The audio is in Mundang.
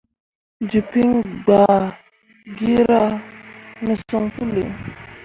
Jilkpiŋ gbah gira ne son puli.